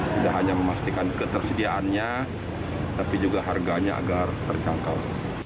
tidak hanya memastikan ketersediaannya tapi juga harganya agar terjangkau